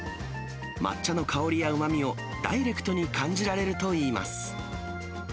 抹茶の香りやうまみをダイレクトに感じられるといいます。